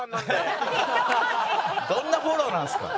どんなフォローなんすか！